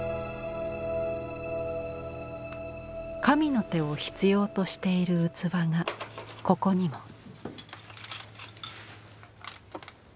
神の手を必要としている器がここにも。